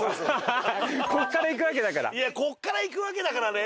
ここから行くわけだからね。